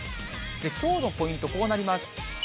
きょうのポイント、こうなります。